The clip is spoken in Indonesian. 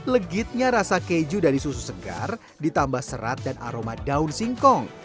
legitnya rasa keju dari susu segar ditambah serat dan aroma daun singkong